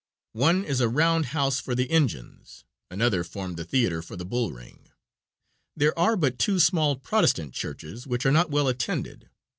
One is a round house for the engines, another formed the theater for the bull ring. There are but two small Protestant churches, which are not well attended.